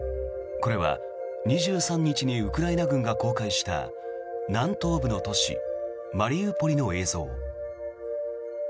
これは２３日にウクライナ軍が公開した南東部の都市マリウポリの映像。